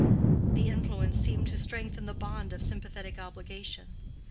The influence seemed to strengthen the bond of sympathetic obligation.